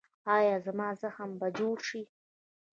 ایا زما زخم به جوړ شي؟